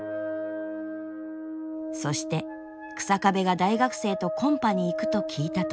そして日下部が大学生とコンパに行くと聞いた時。